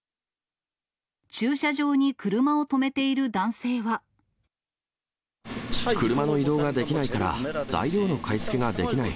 駐車場に車を止めている男性車の移動ができないから、材料の買い付けができない。